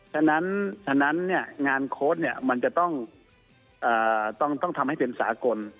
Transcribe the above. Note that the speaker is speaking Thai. ฉะนั้นฉะนั้นงานโค้ดมันจะต้องทำให้เป็นสากล